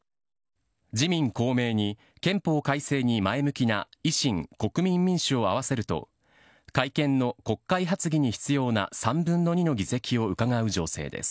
自民・公明に憲法改正に前向きな維新・国民民主を合わせると改憲の国会発議に必要な３分の２の議席をうかがう情勢です。